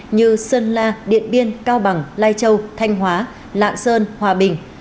như sơn la điện biên cao bằng lai châu thanh hóa lạng sơn hòa bình